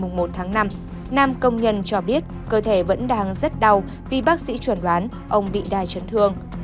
ngày một tháng năm nam công nhân cho biết cơ thể vẫn đang rất đau vì bác sĩ chuẩn đoán ông bị đa chấn thương